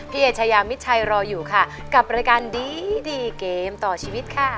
เอชยามิดชัยรออยู่ค่ะกับรายการดีเกมต่อชีวิตค่ะ